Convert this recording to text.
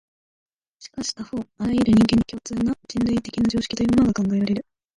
しかし他方、あらゆる人間に共通な、人類的な常識というものが考えられる。